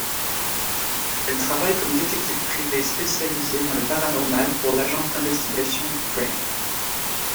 Elle travaille comme détective privé spécialisé dans le paranormal pour l’agence d’investigations Grey.